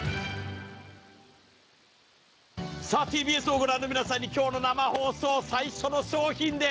ＴＢＳを御覧の皆さんに今日の生放送、最初の商品